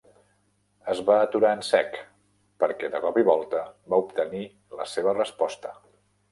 Es va aturar en sec, perquè de cop i volta va obtenir la seva resposta.